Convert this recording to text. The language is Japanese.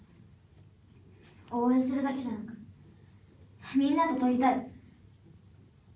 応援するだけじゃなくみんなと。